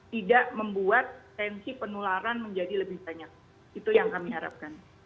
tidak membuat tensi penularan menjadi lebih banyak itu yang kami harapkan